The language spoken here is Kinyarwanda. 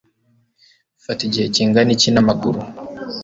bifata igihe kingana iki n'amaguru